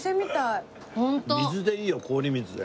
水でいいよ氷水で。